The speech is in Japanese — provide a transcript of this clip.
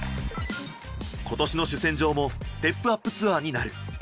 今年の主戦場もステップアップツアーになる。